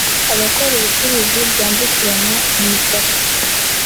Abakora ubucuruzi bwambukiranya imipaka